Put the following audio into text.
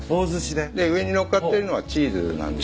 で上に載っかってるのはチーズなんです。